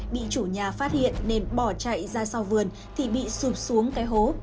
bị chủ nhà phát hiện nên bỏ chạy ra sau vườn thì bị sụp xuống cái hố